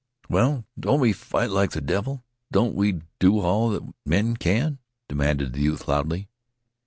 "Well, don't we fight like the devil? Don't we do all that men can?" demanded the youth loudly.